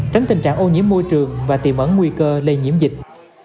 tránh tình trạng ô nhiễm môi trường và tiềm ẩn nguy cơ lây nhiễm dịch